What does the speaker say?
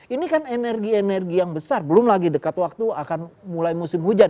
ini kan energi energi yang besar belum lagi dekat waktu akan mulai musim hujan